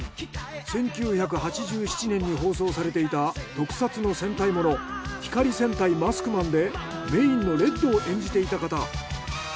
１９８７年に放送されていた特撮の戦隊モノ『光戦隊マスクマン』でメインのレッドを演じていた方。